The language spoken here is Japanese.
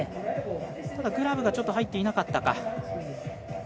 グラブがちょっと入っていなかったか。